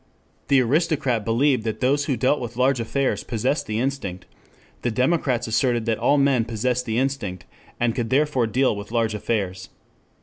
The aristocrat believed that those who dealt with large affairs possessed the instinct, the democrats asserted that all men possessed the instinct and could therefore deal with large affairs.